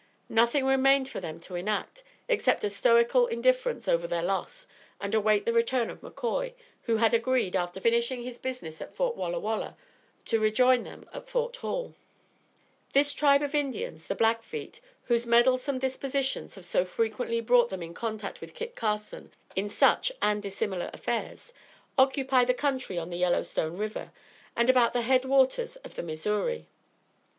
Nothing remained for them to enact, except a stoical indifference over their loss and await the return of McCoy, who had agreed, after finishing his business at Fort Walla Walla, to rejoin, them at Fort Hall. [Footnote 12: Corral, a barnyard.] This tribe of Indians, the Blackfeet, whose meddlesome dispositions have so frequently brought them in contact with Kit Carson in such and dissimilar affairs, occupy the country on the Yellow Stone River and about the head waters of the Missouri.